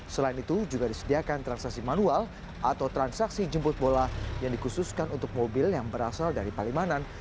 selain itu juga disediakan transaksi manual atau transaksi jemput bola yang dikhususkan untuk mobil yang berasal dari palimanan